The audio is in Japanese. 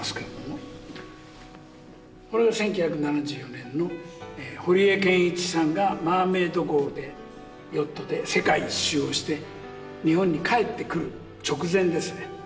これは１９７４年の堀江謙一さんがマーメイド号でヨットで世界一周をして日本に帰ってくる直前ですね。